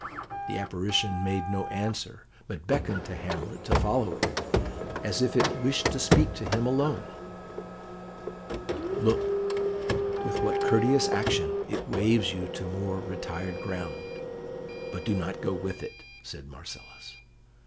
The apparition made no answer, but beckoned to Hamlet to follow it, as if it wished to speak to him alone. "Look, with what courteous action it waves you to more retired ground. But do not go with it," said Marcellus.